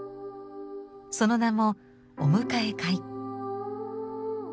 その名も「お迎え会」。